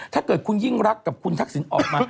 ถ้าเกิดคุณยิ่งรักกับคุณทักษิณออกมา